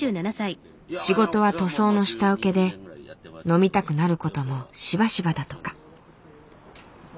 仕事は塗装の下請けで飲みたくなることもしばしばだとか。